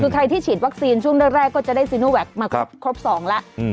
คือใครที่ฉีดวัคซีนช่วงแรกก็จะได้สินูแว็กซ์มาครบครบสองแล้วอืม